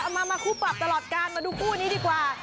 มาคู่ปรับตลอดการมาดูคู่นี้ดีกว่า